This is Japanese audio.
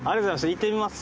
行ってみます。